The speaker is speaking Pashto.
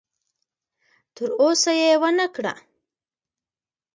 تر اوسه یې ونه کړه.